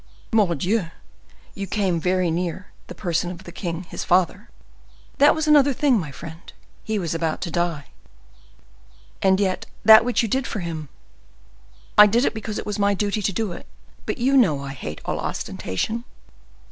"Mordioux! you came very near to the person of the king, his father." "That was another thing, my friend; he was about to die." "And yet that which you did for him—" "I did it because it was my duty to do it. But you know I hate all ostentation.